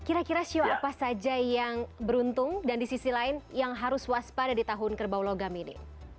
kira kira sio apa saja yang beruntung dan di sisi lain yang harus waspada di tahun kerbau logam ini